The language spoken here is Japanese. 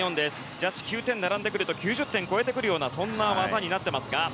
ジャッジが９点並んでくると９０点を超えるそんな技になっていますが。